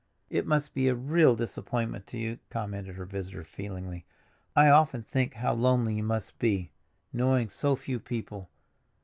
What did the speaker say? "It must be a real disappointment to you," commented her visitor feelingly. "I often think how lonely you must be, knowing so few people.